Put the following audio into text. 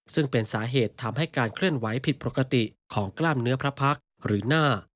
ซึ่งเป็นสาเหตุทำให้การเคลื่อนไหวผิดปกติของกล้ามเนื้อพระพักษ์หรือหน้า